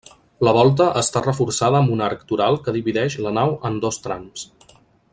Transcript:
La volta està reforçada amb un arc toral que divideix la nau amb dos trams.